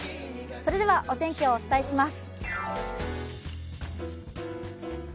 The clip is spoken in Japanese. それではお天気をお伝えします。